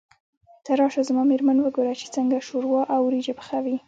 ته راشه زما مېرمن وګوره چې څنګه شوروا او وريجې پخوي.